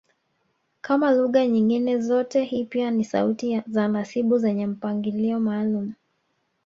Kama lugha nyingine zote hii pia ni sauti za nasibu zenye mpangilio maalumu